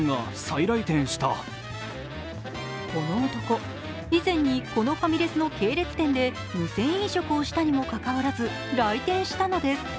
この男、以前にこのファミレスの系列店で無銭飲食をしたにも関わらず、来店したのです。